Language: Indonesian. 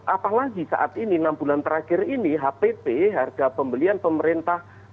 apalagi saat ini enam bulan terakhir ini hpt harga pembelian pemerintah